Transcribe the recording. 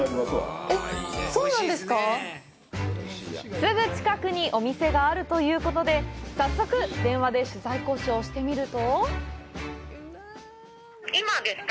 すぐ近くにお店があるということで、早速電話で取材交渉してみると。